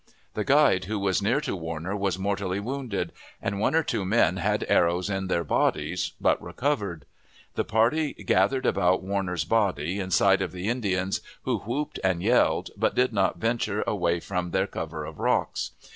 The guide, who was near to Warner, was mortally wounded; and one or two men had arrows in their bodies, but recovered. The party gathered about Warner's body, in sight of the Indians, who whooped and yelled, but did not venture away from their cover of rocks.